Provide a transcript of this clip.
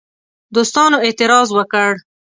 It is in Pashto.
دوستانو اعتراض وکړ.